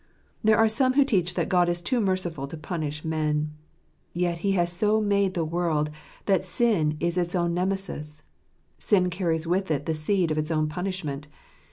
There are some who teach that God is too merciful to punish men ; yet He has so made the world that sin is its own Nemesis — sin carries with it the seed of its own punishment.